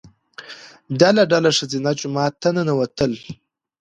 ډله ډله ښځینه جومات ته ننوتل.